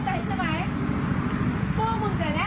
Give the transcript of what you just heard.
อืมครั้งนี้ก็ไปละ